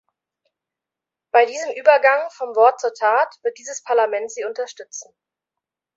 Bei diesem Übergang vom Wort zur Tat wird dieses Parlament Sie unterstützen.